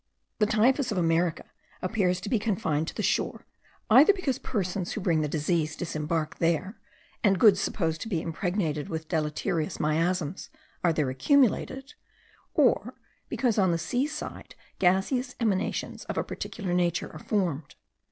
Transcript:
The typhus of America appears to be confined to the shore, either because persons who bring the disease disembark there, and goods supposed to be impregnated with deleterious miasms are there accumulated; or because on the sea side gaseous emanations of a particular nature are formed.